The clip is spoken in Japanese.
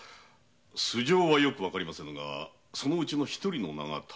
素性はわかりませぬがそのうちの一人の名が確か浅見とか。